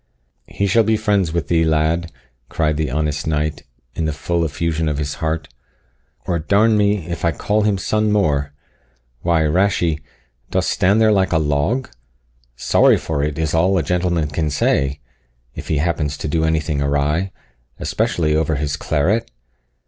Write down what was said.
"He shall be friends with thee, lad," cried the honest knight, in the full effusion of his heart; "or d n me, if I call him son more! Why, Rashie, dost stand there like a log? Sorry for it is all a gentleman can say, if he happens to do anything awry, especially over his claret.